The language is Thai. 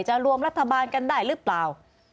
รวมรัฐบาลกันได้หรือเปล่า